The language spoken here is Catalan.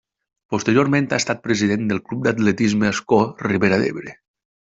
Posteriorment ha estat president del Club d'Atletisme Ascó Ribera d'Ebre.